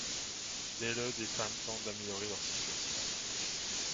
Dès le des femmes tentent d'améliorer leur situation.